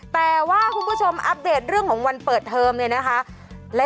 แต่ว่าคุณผู้ชมอัปเดตเรื่องของวันเปิดเทอมเนี่ยนะคะ